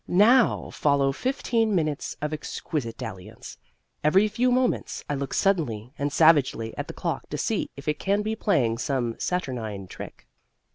Now follow fifteen minutes of exquisite dalliance. Every few moments I look suddenly and savagely at the clock to see if it can be playing some saturnine trick.